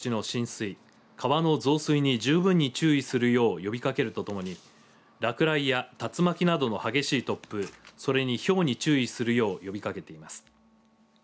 土砂災害や低い土地の浸水、川の増水に十分に注意するよう呼びかけるとともに落雷や竜巻などの激しい突風、それに、ひょうに注意するよう呼びかけています。